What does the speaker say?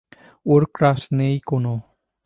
ওর crush নেই কোনো।